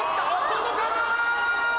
届かない！